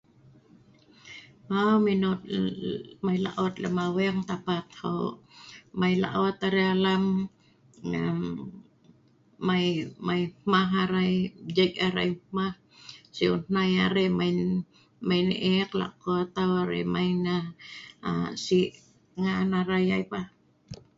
Mau minot aa mai laot lem aweng tapat ho, mai laot arai alam, ngan mai, mai hmah arai, jei' arai hmah, siu hnai arai mai, mai ne ek, lako tau arai mai aa nah si ngan arai ai pah.